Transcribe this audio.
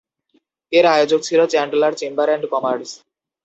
এর আয়োজক ছিল চ্যান্ডলার চেম্বার অ্যান্ড কমার্স।